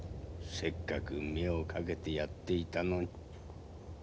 せっかく目をかけてやっていたのに。